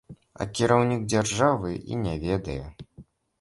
А кіраўнік дзяржавы і не ведае!